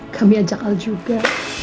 kami ajak al juga